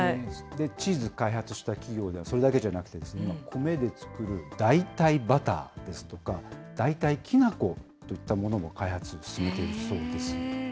チーズを開発した企業ではそれだけじゃなくて、コメで作る代替バターですとか、代替きなこといったものも開発を進めているそうです。